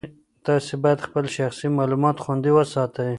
تاسي باید خپل شخصي معلومات خوندي وساتئ.